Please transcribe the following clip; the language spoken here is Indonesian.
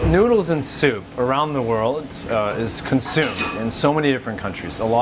noodle dan sup di seluruh dunia digunakan di banyak negara